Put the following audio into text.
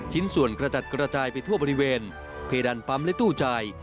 ชิ้นส่วนกระจัดกระจายไปทั่วบริเวณเพดานปั๊มและตู้จ่าย